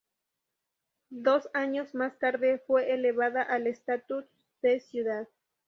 Dos años más tarde, fue elevada al estatus de ciudad.